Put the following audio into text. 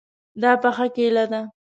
دا پخه کیله ده